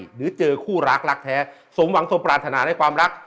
หรือเจอคู่รักรักแท้สมหวังสมปรารถนาในความรัก